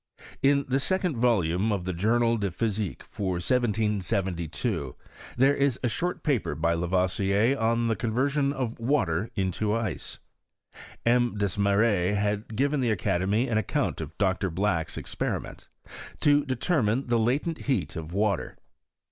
In the second volume of the Journal de Physi que, for 1772, there is a short paper by Lavoisier on the conversion of water into ice. M. Des marets had given the academy an account of Dr. Black's experiments, to deleimine the latent heat of water.